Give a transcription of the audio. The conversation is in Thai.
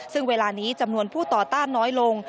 ซึ่งเวลานี้จำนวนผู้ต่อต้านน้อยลง